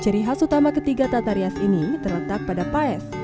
ciri khas utama ketiga tata rias ini terletak pada paes